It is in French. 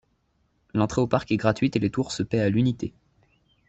L'entrée au parc est gratuite et les tours se paient à l'unité.